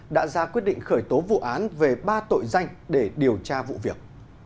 đã ra quyết định khởi tố vụ án về ba tội danh để điều tra vụ việc